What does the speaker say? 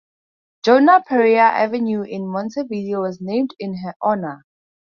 Juana Pereyra Avenue in Montevideo was named in her honour.